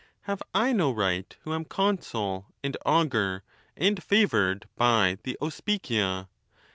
Have I no right, who am consul, and augur, and favored by the Auspicia